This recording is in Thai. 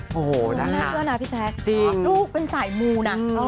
โอ้โฮนะครับจริงนะครับพี่แซ่ลูกเป็นสายหมูน่ะ